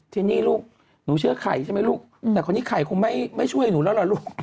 ที่นี่ลูกหนูเชื่อไข่ใช่ไหมลูกแต่คนนี้ไข่คงไม่ช่วยหนูแล้วล่ะลูก